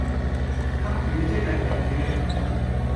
黑雨即係停雨